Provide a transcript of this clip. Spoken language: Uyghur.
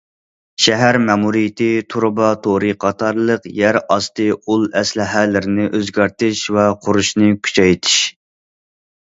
شەھەر مەمۇرىيىتى تۇرۇبا تورى قاتارلىق يەر ئاستى ئۇل ئەسلىھەلىرىنى ئۆزگەرتىش ۋە قۇرۇشنى كۈچەيتىش.